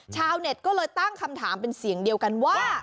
ชาวเน็ตก็เลยตั้งคำถามเป็นเสียงเดียวกันว่า